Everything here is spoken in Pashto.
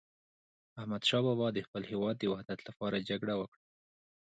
احمد شاه بابا د خپل هیواد د وحدت لپاره جګړه وکړه.